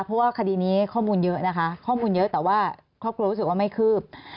เพราะว่าคดีนี้ข้อมูลเยอะนะคะข้อมูลเยอะแต่ว่าครอบครัวรู้สึกว่าไม่คืบ